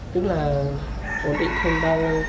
tức là ổn định không bao giờ